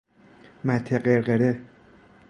مته قرقره